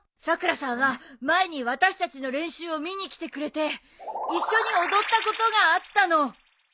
さくらさんは前に私たちの練習を見に来てくれて一緒に踊ったことがあったの。